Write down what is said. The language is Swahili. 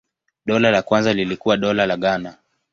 Dola la kwanza lilikuwa Dola la Ghana.